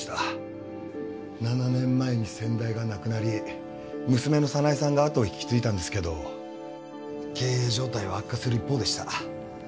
７年前に先代が亡くなり娘の早苗さんが跡を引き継いだんですけど経営状態は悪化する一方でした。